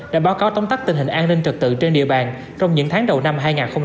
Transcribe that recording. đã báo cáo tóm tắt tình hình an ninh trật tự trên địa bàn trong những tháng đầu năm hai nghìn hai mươi bốn